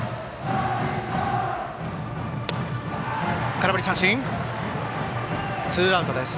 空振り三振、ツーアウトです。